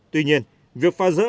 tuy nhiên việc phá rỡ